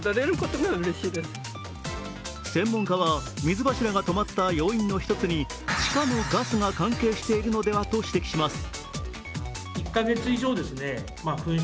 専門家は、水柱が止まった要因の一つに地下のガスが関係しているのではと指摘します。